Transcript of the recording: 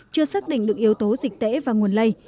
chưa xác định được yếu tố dịch tễ và nguồn lây